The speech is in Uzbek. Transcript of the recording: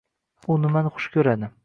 U nimani xush koʻradi.